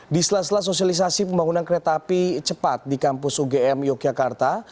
di sela sela sosialisasi pembangunan kereta api cepat di kampus ugm yogyakarta